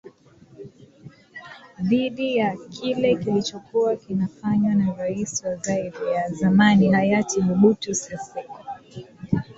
Dhidi ya kile kilichokuwa kinafanywa na Rais wa Zaire ya zamani hayati Mobutu Sesseseko